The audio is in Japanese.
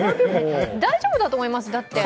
大丈夫だと思います、だって。